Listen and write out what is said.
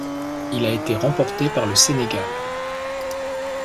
Il a été remporté par le Sénégal.